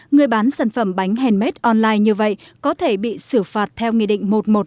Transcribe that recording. người bán sản phẩm bánh handmade online như vậy có thể bị xử phạt theo nghị định